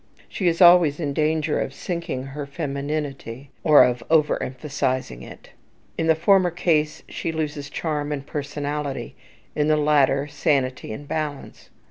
She is always in danger of sinking her femininity, or of overemphasizing it. In the former case, she loses charm and personality; in the latter, sanity and balance.